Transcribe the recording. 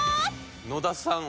野田さん